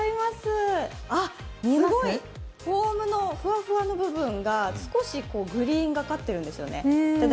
フォームのふわふわの部分が少しグリーンがかってるんですよね。